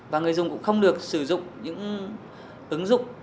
và người dùng cũng không được sử dụng những ứng dụng